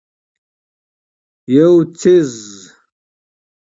یو څیز